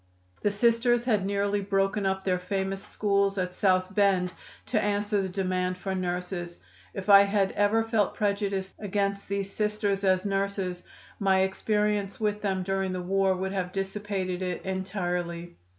The Sisters had nearly broken up their famous schools at South Bend to answer the demand for nurses. If I had ever felt prejudiced against these Sisters as nurses, my experience with them during the war would have dissipated it entirely.